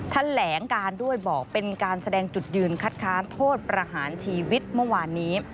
แถลงการด้วยบอกเป็นการแสดงจุดยืนคัดค้านโทษประหารชีวิตเมื่อวานนี้